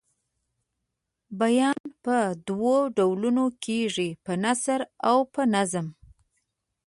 بیان په دوو ډولونو کیږي په نثر او په نظم.